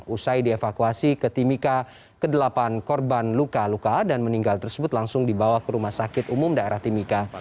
usai dievakuasi ke timika kedelapan korban luka luka dan meninggal tersebut langsung dibawa ke rumah sakit umum daerah timika